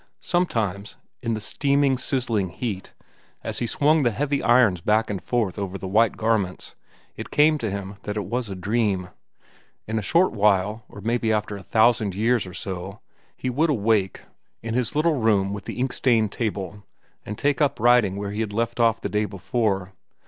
Sometimes, in the steaming, sizzling heat, as he swung the heavy irons back and forth over the white garments, it came to him that it was a dream. In a short while, or maybe after a thousand years or so, he would awake, in his little room with the ink stained table, and take up his writing where he had left off the day before.